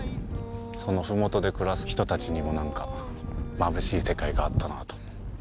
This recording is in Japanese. その麓で暮らす人たちにもまぶしい世界があったなあと。